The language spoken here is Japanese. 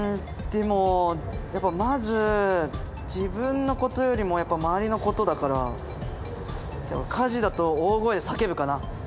でもやっぱまず自分のことよりも周りのことだから火事だと大声で叫ぶかな。